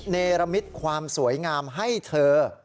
เนรมิตความสวยงามให้เธอ